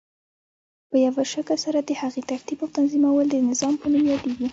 په یوه شکل سره د هغی ترتیب او تنظیمول د نظام په نوم یادیږی.